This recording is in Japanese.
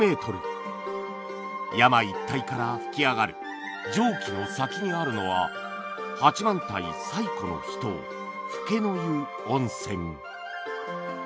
山一帯から噴き上がる蒸気の先にあるのは八幡平最古の秘湯